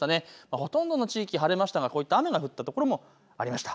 ほとんどの地域、晴れましたがこういった雨が降った所もありました。